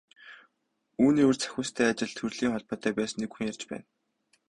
Үүний урьд Сахиустай ажил төрлийн холбоотой байсан нэг хүн ярьж байна.